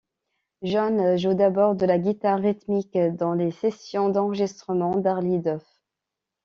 Jones joue d'abord de la guitare rythmique dans les sessions d'enregistrement d'Arlie Duff.